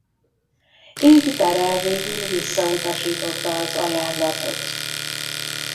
Így Darrell végül visszautasította az ajánlatot.